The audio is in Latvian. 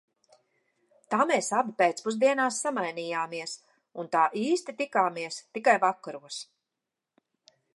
Tā mēs abi pēcpusdienās samainījāmies un tā īsti tikāmies tikai vakaros.